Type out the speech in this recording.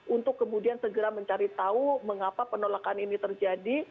untuk kemudian segera mencari tahu mengapa penolakan ini terjadi